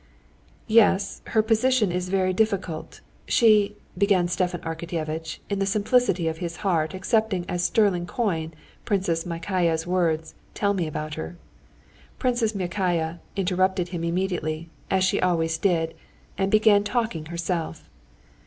"Yes, her position is very difficult; she...." began Stepan Arkadyevitch, in the simplicity of his heart accepting as sterling coin Princess Myakaya's words "tell me about her." Princess Myakaya interrupted him immediately, as she always did, and began talking herself.